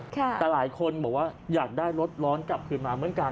แต่หลายคนบอกว่าอยากได้รถร้อนกลับคืนมาเหมือนกัน